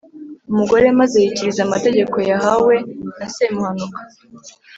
Umugore maze yikiriza amategeko yahawe na Semuhanuka.